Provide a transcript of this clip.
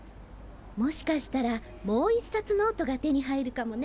もしかしたらもう一冊ノートが手に入るかもね。